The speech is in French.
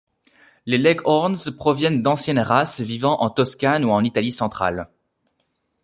Les Leghorns proviennent d'anciennes races vivant en Toscane ou en Italie centrale.